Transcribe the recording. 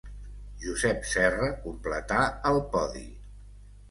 Josep Serra completà el podi.